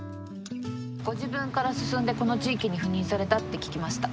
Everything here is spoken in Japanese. ご自分から進んでこの地域に赴任されたって聞きました。